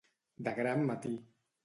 De gran matí.